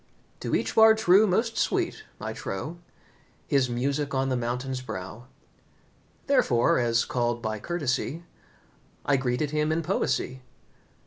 To each Bard true most sweet I trow His music on the mountain's brow. Therefore, as called by courtesy, I greeted him in poesy.